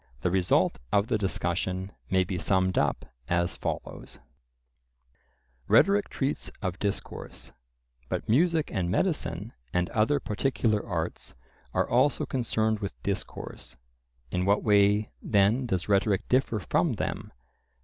The result of the discussion may be summed up as follows:— Rhetoric treats of discourse; but music and medicine, and other particular arts, are also concerned with discourse; in what way then does rhetoric differ from them?